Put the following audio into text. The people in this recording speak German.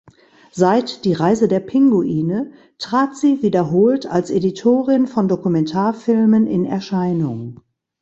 Seit "Die Reise der Pinguine" trat sie wiederholt als Editorin von Dokumentarfilmen in Erscheinung.